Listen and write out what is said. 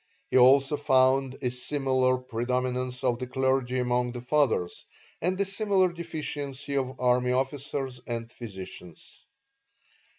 He also found a similar predominance of the clergy among the fathers, and a similar deficiency of army officers and physicians.